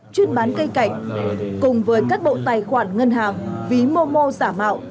chuyên bán cây cảnh cùng với các bộ tài khoản ngân hàng ví momo giả mạo